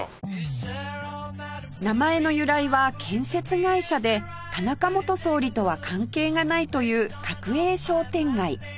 名前の由来は建設会社で田中元総理とは関係がないという角栄商店街